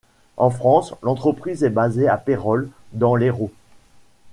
En France, l'entreprise est basée à Pérols, dans l'Hérault.